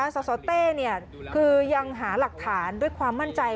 สสเต้คือยังหาหลักฐานด้วยความมั่นใจ